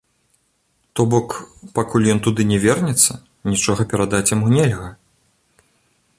То бок, пакуль ён туды не вернецца, нічога перадаць яму нельга.